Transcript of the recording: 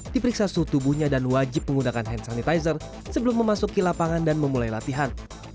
diperiksa suhu tubuhnya dan wajib menggunakan hand sanitizer sebelum memasuki lapangan dan memulai latihan